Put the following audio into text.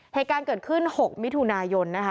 เหตุการณ์เกิดขึ้น๖มิถุนายนนะคะ